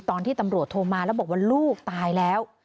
ตอนที่ตำรวจโทรมาแล้วบอกว่าลูกตายแล้ว